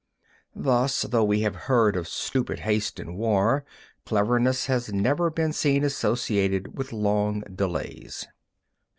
5. Thus, though we have heard of stupid haste in war, cleverness has never been seen associated with long delays.